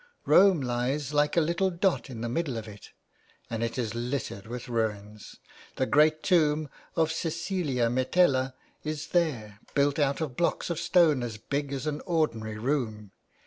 Rome hes Hke a little dot in the middle of it, and it is littered with ruins. The great tomb of Cecilia Metella is there, built out of blocks of stone as big as an ordinary room.